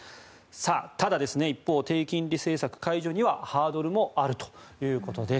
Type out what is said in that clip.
ただ一方、低金利政策解除にはハードルもあるということです。